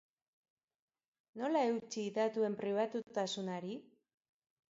Nola eutsi datuen pribatutasunari?